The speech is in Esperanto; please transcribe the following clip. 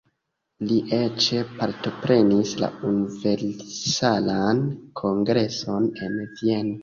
Li eĉ partoprenis la Universalan Kongreson en Vieno.